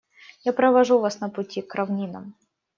Я провожу вас на пути к равнинам.